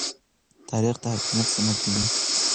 تاریخ د حاکمیت سند دی.